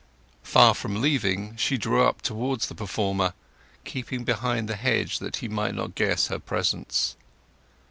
Far from leaving she drew up towards the performer, keeping behind the hedge that he might not guess her presence.